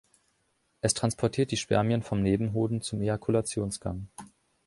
Es transportiert die Spermien vom Nebenhoden zum Ejakulationsgang.